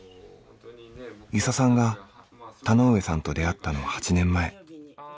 遊佐さんが田上さんと出会ったのは８年前。